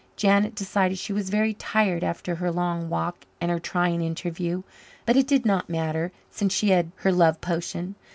Janet decided she was very tired after her long walk and her trying interview. But it did not matter, since she had her love potion.